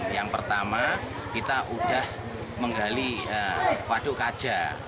yang pertama kita udah menggali waduk kajah